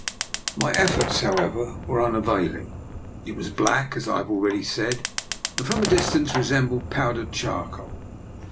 My efforts, however, were un availing. It was black, as I have already said, and from a distance resembled powdered charcoal.